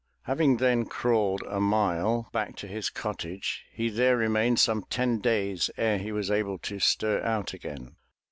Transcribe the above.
Having then crawled a mile back to 345 MY BOOK HOUSE his cottage, he there remained some ten days ere he was able to stir out again.